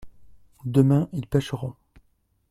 demain ils pêcheront.